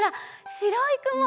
しろいくも！